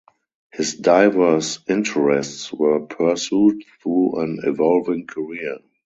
His diverse interests were pursued through an evolving career.